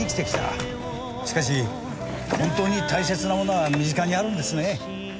しかし本当に大切なものは身近にあるんですね。